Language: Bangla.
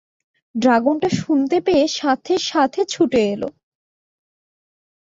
ড্রাগনটা শুনতে পেয়ে সাথে সাথে ছুটে এলো।